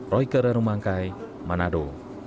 roy kererumangkai manado